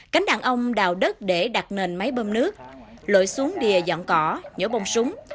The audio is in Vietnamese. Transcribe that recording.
cánh đàn ông đào đất để đặt nền máy bơm nước lội xuống đìa dọn cỏ nhổ bông súng